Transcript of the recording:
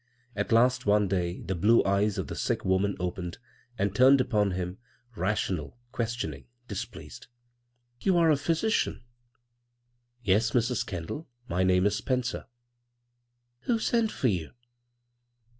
At last one day the blue eyes of the sick woman opened and turned upon him, rational, questioning, displeased. " You are a physician ?" "Yes, Mrs. Kendall. My name is Spencer." " Who sent for you